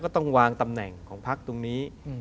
ต้องวางตำแหน่งของพักตรงนี้